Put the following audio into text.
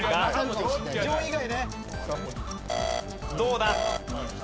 どうだ？